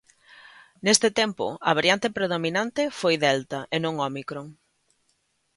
Neste tempo, a variante predominante foi Delta e non Ómicron.